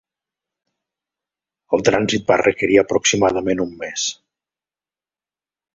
El trànsit va requerir aproximadament un mes.